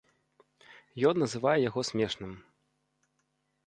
Ён называе яго смешным.